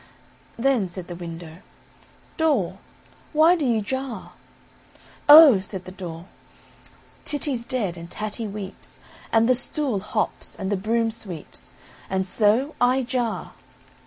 "Then," said the window, "Door, why do you jar?" "Oh!" said the door, "Titty's dead, and Tatty weeps, and the stool hops, and the broom sweeps, and so I jar."